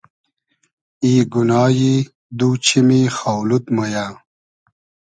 ای گونایی دو چیمی خاو لود مۉ یۂ